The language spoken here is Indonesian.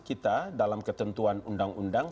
kita dalam ketentuan undang undang